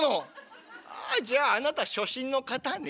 「ああじゃああなた初心の方ね。